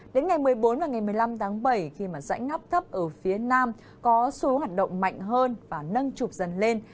đến ngày một mươi bốn và ngày một mươi năm tháng bảy khi dãy ngắp thấp ở phía nam có xu hướng hoạt động mạnh hơn và nâng trục dần lên